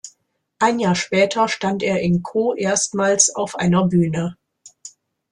Ein Jahr später stand er in Caux erstmals auf einer Bühne.